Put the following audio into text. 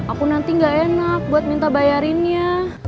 aku nanti gak enak buat minta bayarinnya